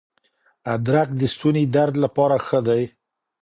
ادرک د ستوني درد لپاره ښه دی.